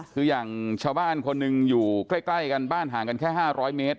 คืออย่างชาวบ้านคนหนึ่งอยู่ใกล้กันบ้านห่างกันแค่๕๐๐เมตร